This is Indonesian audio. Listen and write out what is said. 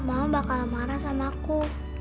mama bakal marah sama aku